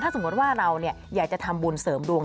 สมมติว่าเราอยากจะทำบุญเสริมดวง